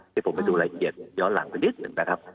ให้ผมไปดูรายละเอียดย้อนหลังไปนิดหนึ่งนะครับ